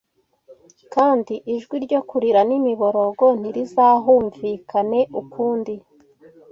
” kandi “ijwi ryo kurira n’imiborogo [ntirizahumvikane] ukundi